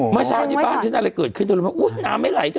เมื่อเช้ามี้บ้านอะไรเกิดขึ้นถ้าอะไรป่านน้ำไม่ไหลเถอะ